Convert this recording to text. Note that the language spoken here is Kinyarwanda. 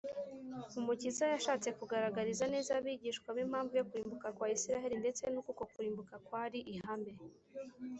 umukiza yashatse kugaragariza neza abigishwa be impamvu yo kurimbuka kwa isirayeli ndetse n’uko uko kurimbuka kwari ihame